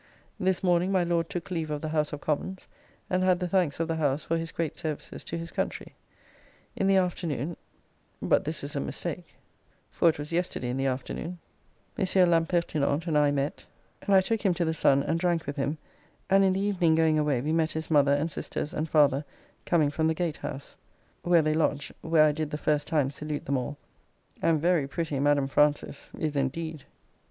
This morning my Lord took leave of the House of Commons, and had the thanks of the House for his great services to his country. In the afternoon (but this is a mistake, for it was yesterday in the afternoon) Monsieur L'Impertinent and I met and I took him to the Sun and drank with him, and in the evening going away we met his mother and sisters and father coming from the Gatehouse; where they lodge, where I did the first time salute them all, and very pretty Madame Frances [Frances Butler, the beauty.] is indeed.